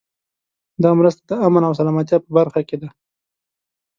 دا مرسته د امن او سلامتیا په برخه کې ده.